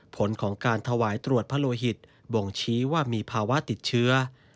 ผลของการถวายตรวจพระโลหิตบ่งชี้ว่ามีภาวะติดเชื้อ